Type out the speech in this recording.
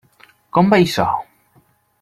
Com va això?